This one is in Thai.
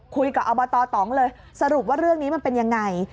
คุยกับอบตตเลยสรุปว่าเรื่องนี้มันเป็นอย่างไร